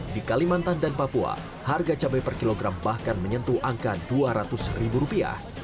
di kalimantan dan papua harga cabai per kilogram bahkan menyentuh angka dua ratus ribu rupiah